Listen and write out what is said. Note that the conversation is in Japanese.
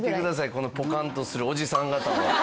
このポカンとするおじさん方を。